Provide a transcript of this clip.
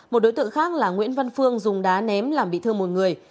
một đối tượng khác là nguyễn văn phương dùng đá ném làm bị thương một người